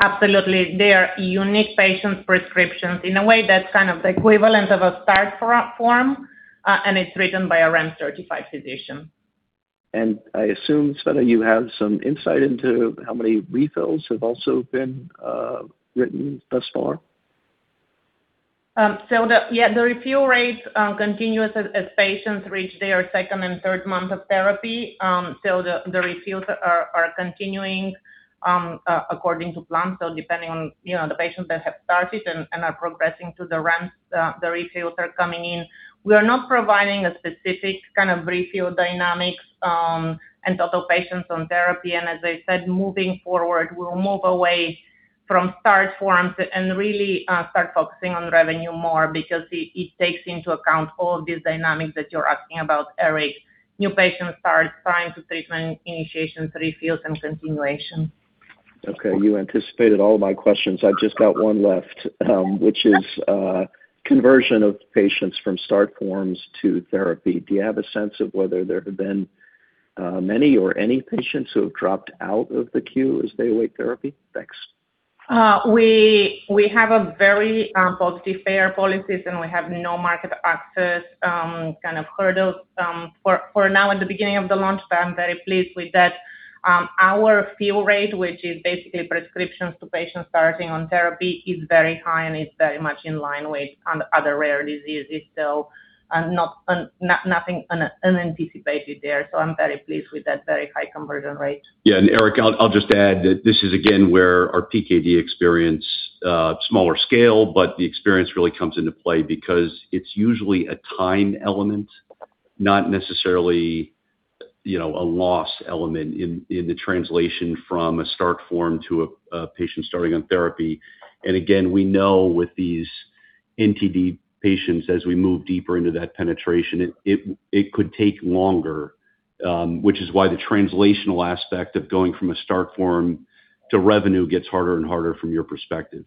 Absolutely. They are unique patient prescriptions. In a way, that's kind of the equivalent of a start form, and it's written by a REMS-certified physician. I assume, Tsveta, you have some insight into how many refills have also been written thus far? Yeah, the refill rates continue as patients reach their second and third month of therapy. The refills are continuing according to plan. Depending on the patients that have started and are progressing to the REMS, the refills are coming in. We are not providing a specific kind of refill dynamics and total patients on therapy. As I said, moving forward, we'll move away from start forms and really start focusing on revenue more because it takes into account all of these dynamics that you're asking about, Eric. New patients start, time to treatment initiation, refills, and continuation. You anticipated all of my questions. I've just got one left, which is conversion of patients from START forms to therapy. Do you have a sense of whether there have been many or any patients who have dropped out of the queue as they await therapy? Thanks. We have a very positive payer policies, and we have no market access hurdles. For now at the beginning of the launch, I'm very pleased with that. Our fill rate, which is basically prescriptions to patients starting on therapy, is very high and it's very much in line with other rare diseases. Nothing unanticipated there. I'm very pleased with that very high conversion rate. Eric, I'll just add that this is again, where our PKD experience, smaller scale, but the experience really comes into play because it's usually a time element, not necessarily a loss element in the translation from a START form to a patient starting on therapy. Again, we know with these NTDT patients, as we move deeper into that penetration, it could take longer, which is why the translational aspect of going from a START form to revenue gets harder and harder from your perspective.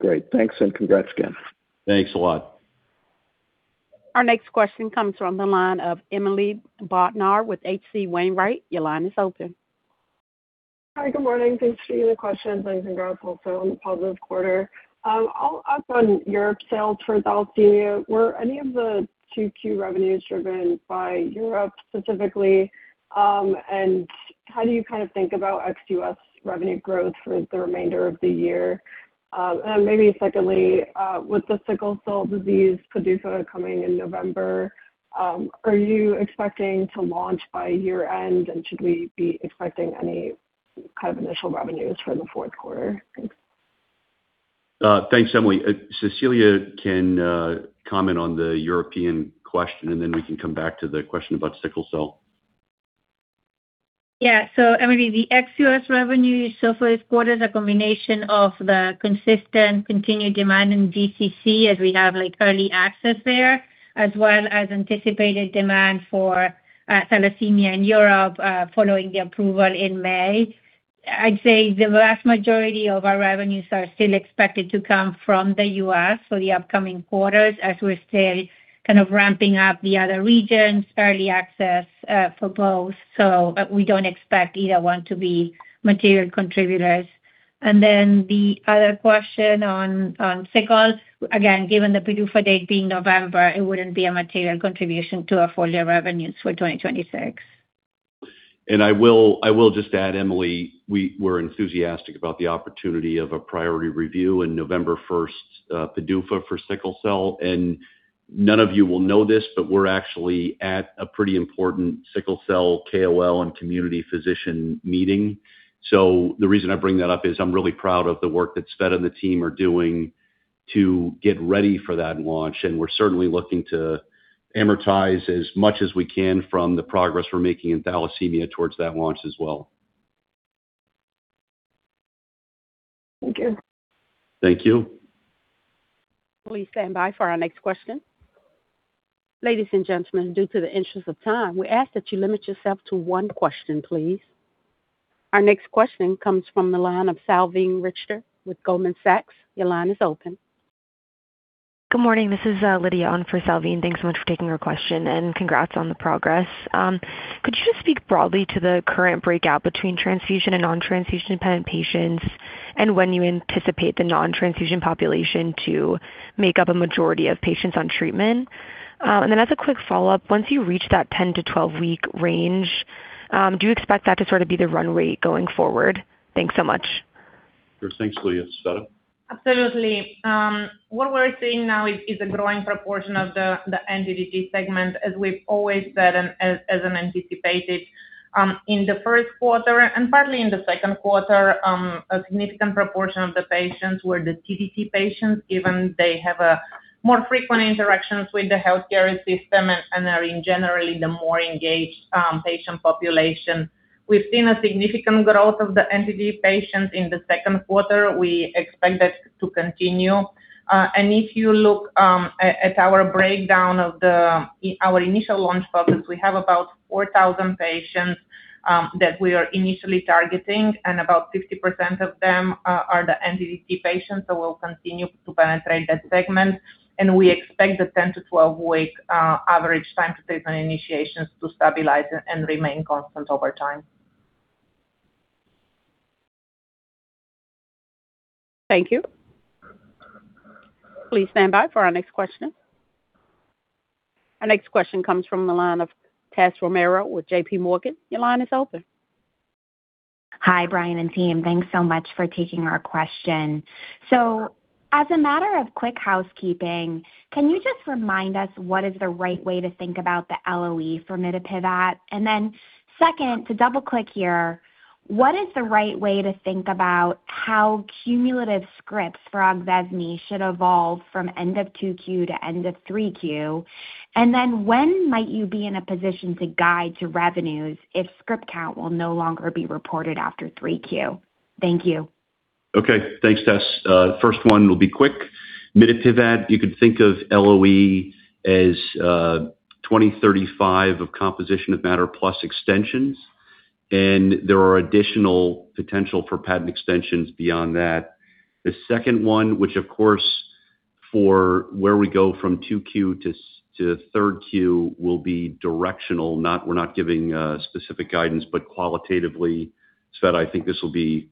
Great. Thanks. Congrats again. Thanks a lot. Our next question comes from the line of Emily Bodnar with H.C. Wainwright. Your line is open. Hi, good morning. Thanks for taking the question. Thanks. Congrats also on the positive quarter. I'll ask on Europe sales for thalassemia, were any of the 2Q revenues driven by Europe specifically? How do you think about ex-U.S. revenue growth for the remainder of the year? Maybe secondly, with the sickle cell disease PDUFA coming in November, are you expecting to launch by year-end, and should we be expecting any initial revenues for the fourth quarter? Thanks. Thanks, Emily. Cecilia can comment on the European question, then we can come back to the question about sickle cell. Yeah. Emily, the ex-U.S. revenue so far this quarter is a combination of the consistent continued demand in GCC as we have early access there, as well as anticipated demand for Thalassemia in Europe following the approval in May. I'd say the vast majority of our revenues are still expected to come from the U.S. for the upcoming quarters as we're still ramping up the other regions, early access for both. We don't expect either one to be material contributors. Then the other question on sickle. Again, given the PDUFA date being November, it wouldn't be a material contribution to our full-year revenues for 2026. I will just add, Emily, we're enthusiastic about the opportunity of a priority review and November 1st PDUFA for sickle cell. None of you will know this, but we're actually at a pretty important sickle cell KOL and community physician meeting. The reason I bring that up is I'm really proud of the work that Tsveta and the team are doing to get ready for that launch, and we're certainly looking to amortize as much as we can from the progress we're making in Thalassemia towards that launch as well. Thank you. Thank you. Please stand by for our next question. Ladies and gentlemen, due to the interest of time, we ask that you limit yourself to one question please. Our next question comes from the line of Salveen Richter with Goldman Sachs. Your line is open. Good morning. This is Lydia on for Salveen. Thanks so much for taking our question, and congrats on the progress. Could you just speak broadly to the current breakout between transfusion and non-transfusion-dependent patients, and when you anticipate the non-transfusion population to make up a majority of patients on treatment? Then as a quick follow-up, once you reach that 10-12-week range, do you expect that to be the run rate going forward? Thanks so much. Sure thing, Lydia. Tsveta? Absolutely. What we're seeing now is a growing proportion of the NTDT segment, as we've always said and as anticipated. In the first quarter and partly in the second quarter, a significant proportion of the patients were the TDT patients, given they have more frequent interactions with the healthcare system and are in generally the more engaged patient population. We've seen a significant growth of the NTD patients in the second quarter. We expect that to continue. If you look at our breakdown of our initial launch focus, we have about 4,000 patients that we are initially targeting, and about 50% of them are the NTD patients. We'll continue to penetrate that segment. We expect the 10-12-week average time to treatment initiations to stabilize and remain constant over time. Thank you. Please stand by for our next question. Our next question comes from the line of Tessa Romero with J.P. Morgan. Your line is open. Hi, Brian and team. Thanks so much for taking our question. As a matter of quick housekeeping, can you just remind us what is the right way to think about the LOE for mitapivat? Second, to double-click here, what is the right way to think about how cumulative scripts for AQVESME should evolve from end of 2Q to end of 3Q? When might you be in a position to guide to revenues if script count will no longer be reported after 3Q? Thank you. Thanks, Tess. First one will be quick. Mitapivat, you could think of LOE as 2035 of composition of matter plus extensions. There are additional potential for patent extensions beyond that. The second one, which of course for where we go from 2Q to 3Q will be directional. We're not giving specific guidance, but qualitatively, Tsveta, I think this will be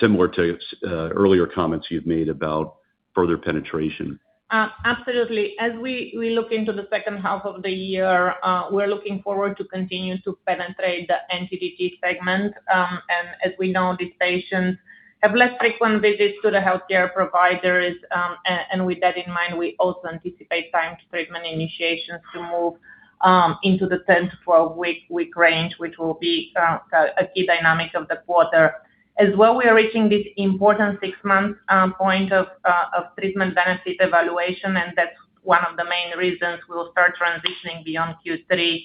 similar to earlier comments you've made about further penetration. Absolutely. As we look into the second half of the year, we're looking forward to continue to penetrate the NTDT segment. As we know, these patients have less frequent visits to the healthcare providers. With that in mind, we also anticipate time to treatment initiations to move into the 10-12-week range, which will be a key dynamic of the quarter. As well, we are reaching this important six-month point of treatment benefit evaluation, and that's one of the main reasons we will start transitioning beyond Q3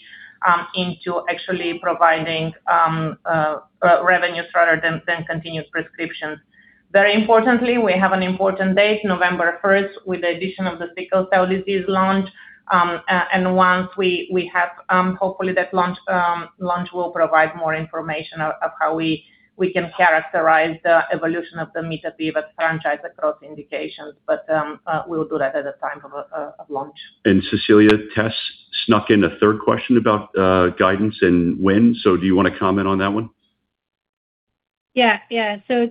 into actually providing revenue rather than continuous prescriptions. Very importantly, we have an important date, November 1st, with the addition of the sickle cell disease launch. Once we have hopefully that launch, we'll provide more information of how we can characterize the evolution of the mitapivat franchise across indications. We'll do that at the time of launch. Cecilia, Tess snuck in a third question about guidance and when, so do you want to comment on that one? Yeah.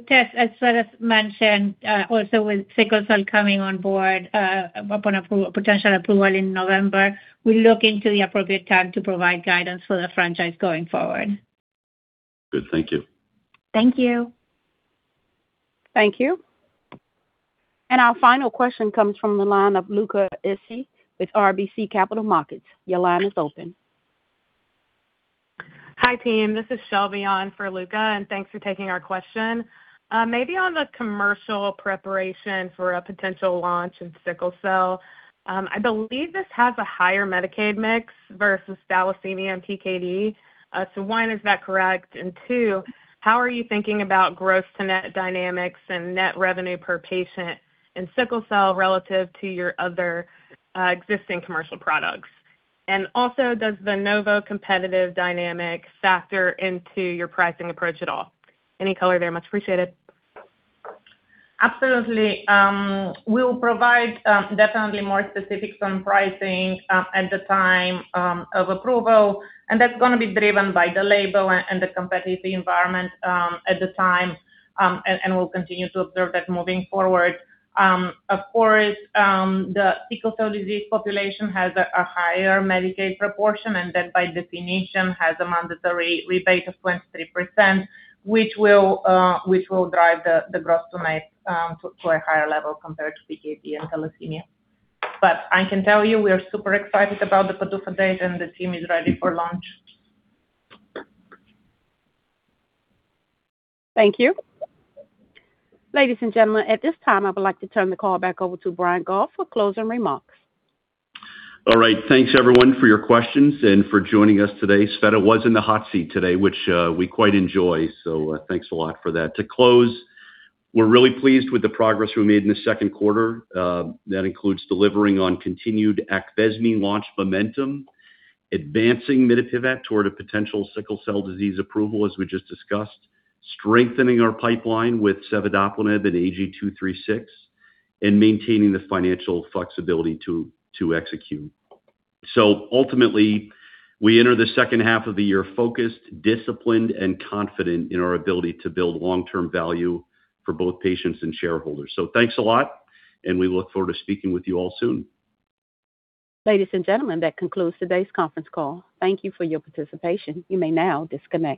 Tess, as Tsveta mentioned, also with sickle cell coming on board upon potential approval in November, we'll look into the appropriate time to provide guidance for the franchise going forward. Good. Thank you. Thank you. Thank you. Our final question comes from the line of Luca Issi with RBC Capital Markets. Your line is open. Hi, team. This is Shelby on for Luca, thanks for taking our question. Maybe on the commercial preparation for a potential launch in sickle cell. I believe this has a higher Medicaid mix versus thalassemia and PKU. One, is that correct? Two, how are you thinking about gross to net dynamics and net revenue per patient in sickle cell relative to your other existing commercial products? Also does the Novo competitive dynamic factor into your pricing approach at all? Any color there much appreciated. Absolutely. We'll provide definitely more specifics on pricing at the time of approval, that's going to be driven by the label and the competitive environment at the time, we'll continue to observe that moving forward. Of course, the sickle cell disease population has a higher Medicaid proportion, that by definition has a mandatory rebate of 23%, which will drive the gross to net to a higher level compared to PKU and thalassemia. I can tell you we are super excited about the PDUFA date, the team is ready for launch. Thank you. Ladies and gentlemen, at this time, I would like to turn the call back over to Brian Goff for closing remarks. All right. Thanks everyone for your questions and for joining us today. Tsveta was in the hot seat today, which we quite enjoy, thanks a lot for that. To close, we're really pleased with the progress we made in the second quarter. That includes delivering on continued AQVESME launch momentum, advancing mitapivat toward a potential sickle cell disease approval, as we just discussed, strengthening our pipeline with cevidoplenib and AG-236, and maintaining the financial flexibility to execute. Ultimately, we enter the second half of the year focused, disciplined, and confident in our ability to build long-term value for both patients and shareholders. Thanks a lot, and we look forward to speaking with you all soon. Ladies and gentlemen, that concludes today's conference call. Thank you for your participation. You may now disconnect.